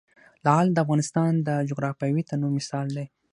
لعل د افغانستان د جغرافیوي تنوع مثال دی.